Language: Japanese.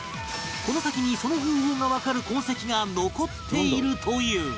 この先にその方法がわかる痕跡が残っているという